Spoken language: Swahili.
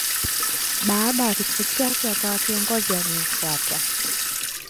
Baada ya kifo chake akawa kiongozi aliyemfuata.